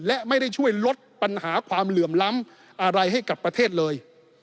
และไม่ได้ช่วยลดปัญหาความเหลื่อมล้ำอะไรให้กับประเทศเลย